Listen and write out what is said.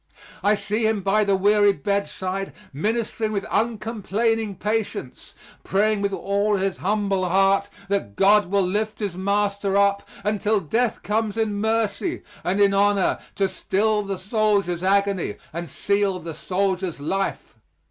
I see him by the weary bedside, ministering with uncomplaining patience, praying with all his humble heart that God will lift his master up, until death comes in mercy and in honor to still the soldier's agony and seal the soldier's life.